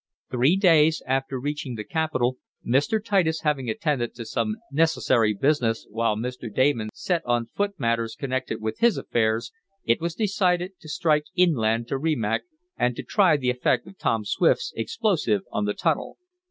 Three days after reaching the capital, Mr. Titus having attended to some necessary business while Mr. Damon set on foot matters connected with his affairs, it was decided to strike inland to Rimac, and to try the effect of Tom Swift's explosive on the tunnel.